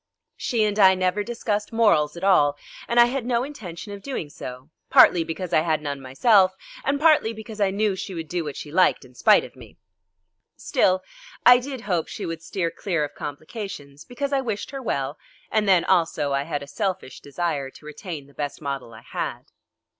She and I never discussed morals at all, and I had no intention of doing so, partly because I had none myself, and partly because I knew she would do what she liked in spite of me. Still I did hope she would steer clear of complications, because I wished her well, and then also I had a selfish desire to retain the best model I had.